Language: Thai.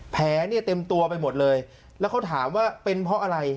แผลเนี่ยเต็มตัวไปหมดเลยแล้วเขาถามว่าเป็นเพราะอะไร